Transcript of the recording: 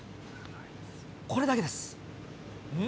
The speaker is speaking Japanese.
これだけです。